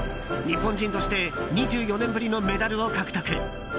日本人として２４年ぶりのメダルを獲得。